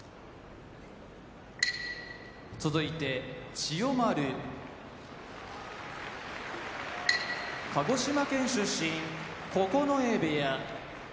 千代丸鹿児島県出身九重部屋